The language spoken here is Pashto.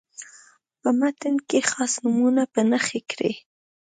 په متن کې خاص نومونه په نښه کړئ.